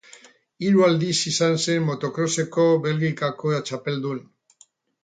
Hiru aldiz izan zen moto-kroseko Belgikako txapeldun.